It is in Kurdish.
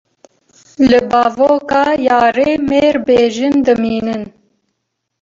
Li bavoka yarê mêr bê jin dimînin.